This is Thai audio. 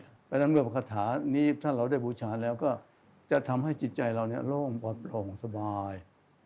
เพราะฉะนั้นเรื่องพระคาธานี่ท่านเราได้บูชาแล้วก็จะทำให้จิตใจเราเนี่ยโล่งปลอดภัยสบาย